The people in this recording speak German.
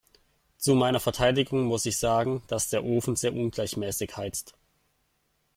Zu meiner Verteidigung muss ich sagen, dass der Ofen sehr ungleichmäßig heizt.